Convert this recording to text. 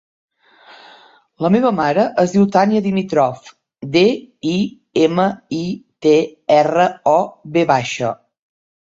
La meva mare es diu Tània Dimitrov: de, i, ema, i, te, erra, o, ve baixa.